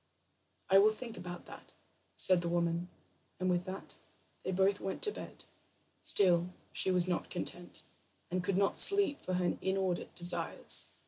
"I will think about that," said the woman, and with that they both went to bed. Still she was not content, and could not sleep for her inordinate desires.